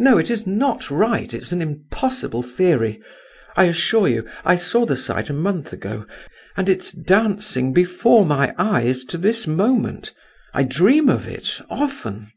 No, it is not right, it's an impossible theory. I assure you, I saw the sight a month ago and it's dancing before my eyes to this moment. I dream of it, often."